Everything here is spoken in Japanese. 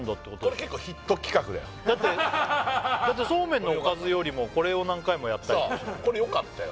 これ結構ヒット企画だよだってそうめんのおかずよりもこれを何回もやったりそうこれよかったよ